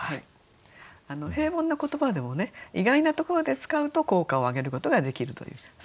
平凡な言葉でも意外なところで使うと効果をあげることができるというそういう例だと思います。